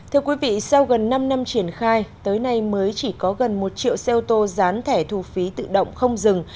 thưa quý vị sau gần năm năm triển khai tới nay mới chỉ có gần một triệu xe ô tô dán thẻ thu phí tự động không dừng